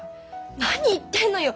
何言ってんのよ。